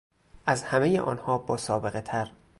از همهی آنها با سابقهتر